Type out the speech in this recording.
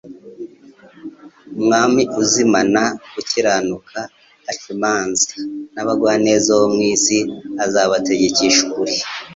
Umwami uzimana gukiranuka, ac'imanza, ''n'abagwaneza bo mu isi azabategekesha ukuri ;